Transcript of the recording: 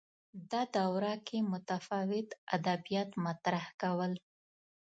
دا دوره کې متفاوت ادبیات مطرح کول